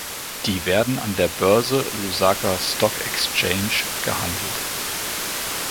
Die werden an der Börse Lusaka Stock Exchange gehandelt.